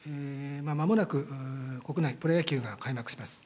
まもなく国内、プロ野球が開幕します。